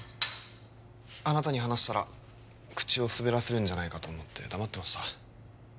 あなたに話したら口を滑らせるんじゃないかと思って黙ってました